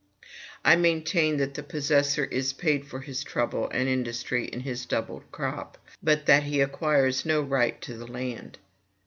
I maintain that the possessor is paid for his trouble and industry in his doubled crop, but that he acquires no right to the land.